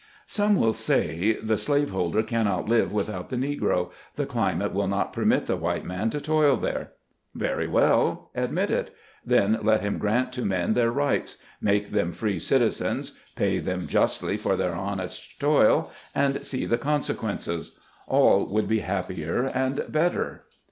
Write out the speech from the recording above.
Some will say, "The slaveholder cannot live with out the Negro ; the climate will not permit the white man to toil there." Very well; admit it. Then let him grant to men their rights ; make them free citi zens; pay them justly for their honest toil and see the consequences. All would be happier and better.